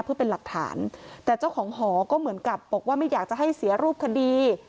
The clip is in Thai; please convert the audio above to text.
เพื่อเป็นหลักฐานแต่เจ้าของหอก็เหมือนกับบอกว่าไม่อยากจะให้เสียรูปคดี